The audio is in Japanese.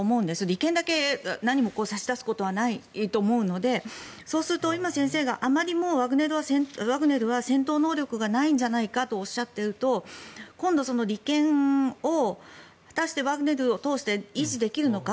利権だけ何も差し出すことはないと思うのでそうすると今、先生があまりもう今はワグネルは戦闘能力がないんじゃないかとおっしゃっていると今度、利権を果たしてワグネルを通して維持できるのか。